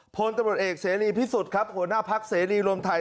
พลตำรวจเอกเสรีพิสุทธิ์ครับหัวหน้าพักเสรีรวมไทย